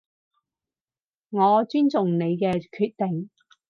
我尊重你嘅決定